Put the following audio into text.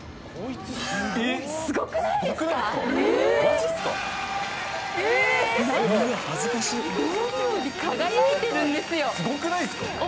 すごくないですか？